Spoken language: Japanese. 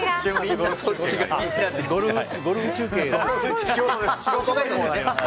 ゴルフ中継が。